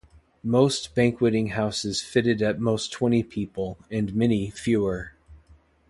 Most banqueting houses fitted at most twenty people, and many fewer.